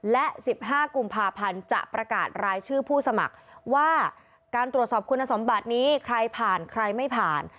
และ๑๕กุมภาพันธ์จะประกาศรายชื่อผู้สมัครว่าการตรวจสอบคุณสมบัตินี้ใครผ่านใครไม่ผ่าน